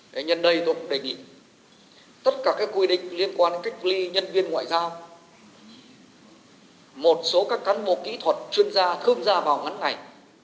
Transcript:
để nhân đây tôi cũng đề nghị tất cả các quy định liên quan cách ly nhân viên ngoại giao một số các cán bộ kỹ thuật chuyên gia thương gia vào ngắn ngày